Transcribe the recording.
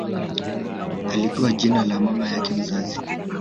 Alipewa jina la mama yake mzazi